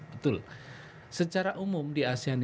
betul secara umum di asean